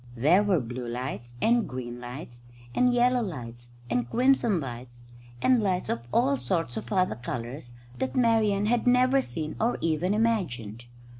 There were blue lights, and green lights, and yellow lights, and crimson lights, and lights of all sorts of other colours that Marian had never seen or even imagined.